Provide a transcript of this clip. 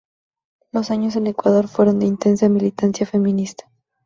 Los años en Ecuador fueron de intensa militancia feminista.